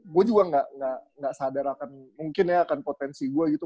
gue juga gak sadar akan mungkin ya akan potensi gue gitu